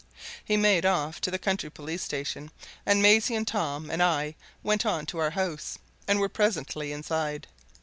He made off to the county police station, and Maisie and Tom and I went on to our house, and were presently inside.